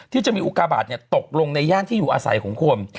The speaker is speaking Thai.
ที่จะมีอุกาบาทตกลงในย่านที่อยู่อาศัยของคน